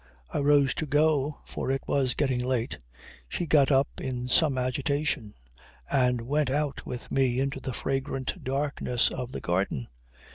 I rose to go, for it was getting late. She got up in some agitation and went out with me into the fragrant darkness of the garden.